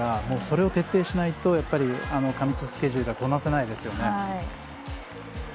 それを徹底しないとあの過密スケジュールはこなせないですよね。